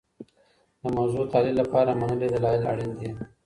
د موضوع تحلیل لپاره منلي دلایل اړین دي.